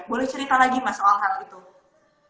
boleh cerita lagi mas soal hal itu